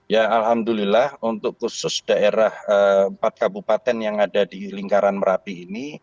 ya alhamdulillah untuk khusus daerah empat kabupaten yang ada di lingkaran merapi ini